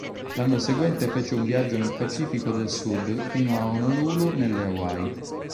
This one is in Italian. L'anno seguente fece un viaggio nel Pacifico del Sud fino a Honolulu nelle Hawaii.